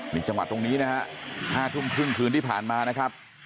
นี่จังหวัดตรงนี้นะฮะ๕ทุ่มครึ่งคืนที่ผ่านมานะครับ